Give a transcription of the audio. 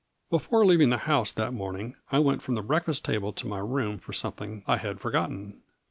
" Before leaving the house that morning I A FLURRY IK DIAMOKDS. 211 went from the breakfast table to my room for something I had forgotten.